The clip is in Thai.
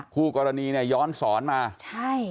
คู่กรณีย้อนศรมาใช่